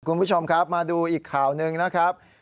คุณผู้ชมครับมาดูอีกข่าวหนึ่งนะครับ